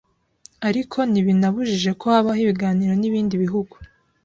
ariko ntibinabujije ko habaho ibiganiro n’ibindi bihugu